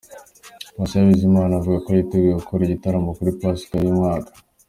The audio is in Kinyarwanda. Patient Bizimana avuga ko yiteguye gukora igitaramo kuri Pasika y'uyu mwaka.